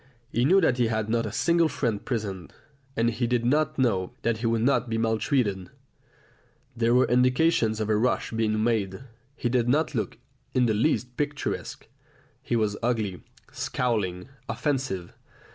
He knew that he had not a single friend present, and he did not know that he would not be maltreated there were indications of a rush being made. He did not look in the least picturesque; he was ugly, scowling, offensive.